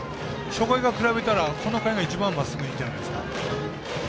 初回と比べたらこの回が一番まっすぐいいんじゃないですか？